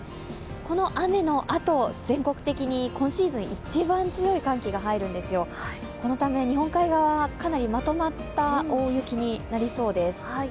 この雨のあと、全国的に今シーズン一番強い寒気が入るんですよ、このため日本海側はかなりまとまった大雪になりそうです。